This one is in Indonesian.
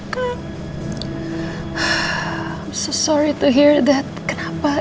aku sangat bersyukur dengar itu kenapa